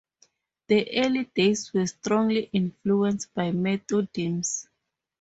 The early days were strongly influenced by Methodism.